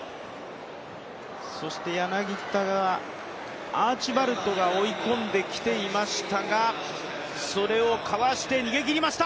そして柳田がアーチバルドが追い込んできていましたが、それをかわして、逃げきりました！